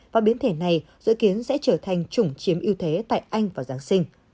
và biến thể này dự kiến sẽ trở thành chủng chiếm ưu thế tại anh vào giáng sinh